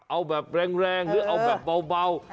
เอาแบบแรงหรือเอาแบบเบา